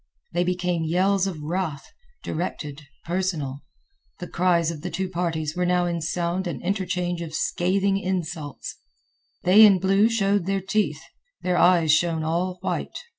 They became yells of wrath, directed, personal. The cries of the two parties were now in sound an interchange of scathing insults. They in blue showed their teeth; their eyes shone all white.